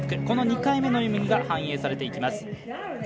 この２回目の演技が反映されていきます。